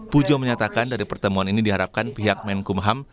pujo menyatakan dari pertemuan ini diharapkan pihak menkumham